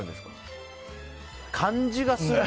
感じがする。